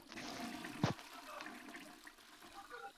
嘉庆十七年起复补原官。